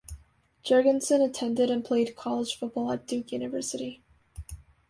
Jurgensen attended and played college football at Duke University.